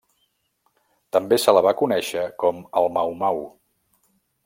També se la va conèixer com el Mau-Mau.